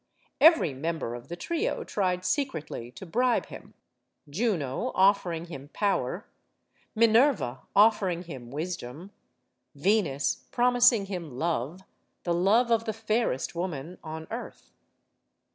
Every member of the trio tried secretly to bribe him; Juno offering him power, Minerva offering him wisdom, Venus promis ing him love the love of the fairest woman on earth.